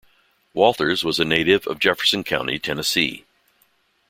Walters was a native of Jefferson County, Tennessee.